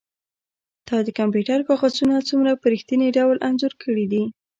تا د کمپیوټر کاغذونه څومره په ریښتیني ډول انځور کړي دي